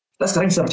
kita sering selalu